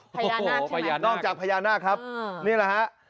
พญานาคใช่ไหมพญานาคนอกจากพญานาคครับนี่แหละฮะ